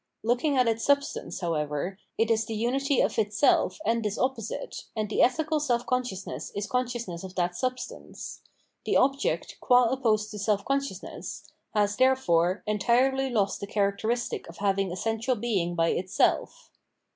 Look ing at its substance, however, it is the umty of itself and this opposite, and the ethical self consciousness is consciousness of that substance : the object, qua opposed to seH consciousness, has, therefore, entirely lost the characteristic of having essential being by itself.